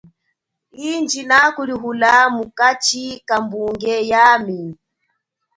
Indji nakulihula mukachi kabunge yami.